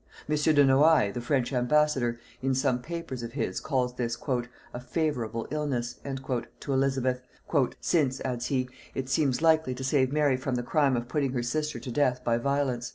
Monsieur de Noailles, the French ambassador, in some papers of his, calls this "a favorable illness" to Elizabeth, "since," adds he, "it seems likely to save Mary from the crime of putting her sister to death by violence."